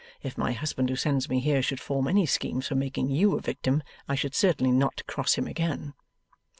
If my husband, who sends me here, should form any schemes for making YOU a victim, I should certainly not cross him again.